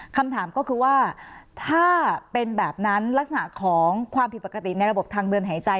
คำถามก็คือว่าถ้าเป็นแบบนั้นลักษณะของความผิดปกติในระบบทางเดินหายใจ